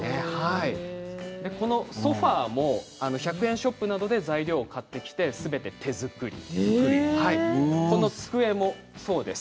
ソファーも１００円ショップなどで材料を買ってすべて手作りしたそうです。